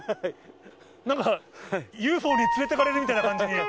なんか、ＵＦＯに連れていかれるみたいな感じに。